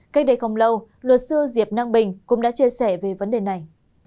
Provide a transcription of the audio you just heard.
cách đây không lâu luật sư diệp năng bình cũng đã chia sẻ về vấn đề này